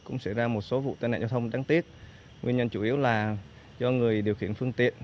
nguyên nhân chủ yếu là do người điều khiển phương tiện